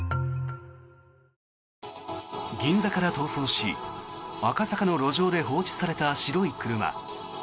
銀座から逃走し赤坂の路上で放置された白い車。